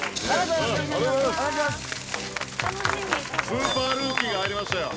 スーパールーキーが入りましたよ